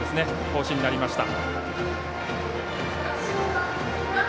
行進になりました。